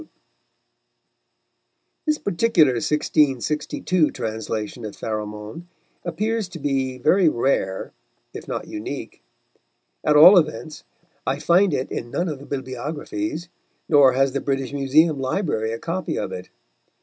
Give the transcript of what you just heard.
This particular 1662 translation of Pharamond appears to be very rare, if not unique. At all events I find it in none of the bibliographies, nor has the British Museum Library a copy of it.